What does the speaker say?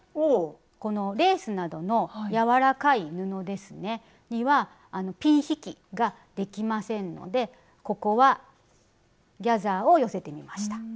このレースなどの柔らかい布にはピン引きができませんのでここはギャザーを寄せてみました。